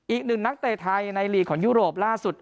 อีกหนึ่งนักเตะไทยในลีกของยุโรปล่าสุด